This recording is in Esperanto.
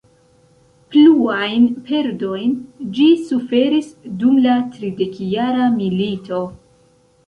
Pluajn perdojn ĝi suferis dum la tridekjara milito.